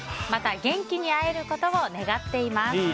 また元気に会えることを願っています。